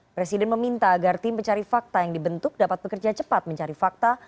presiden meminta agar tim pencari fakta yang dibentuk dapat bekerja cepat mencari fakta